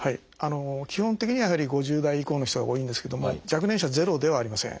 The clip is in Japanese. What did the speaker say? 基本的にはやはり５０代以降の人が多いんですけども若年者ゼロではありません。